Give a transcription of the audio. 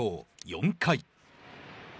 ４回。